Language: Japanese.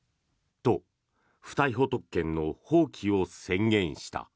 と、不逮捕特権の放棄を宣言した。